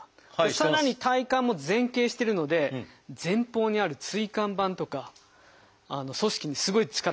さらに体幹も前傾してるので前方にある椎間板とか組織にすごい力が加わってるんです。